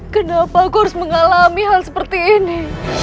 kenapa aku harus mengalami hal seperti ini